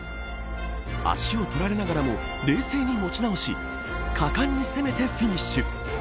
足を取られながらも冷静に持ち直し果敢に攻めてフィニッシュ。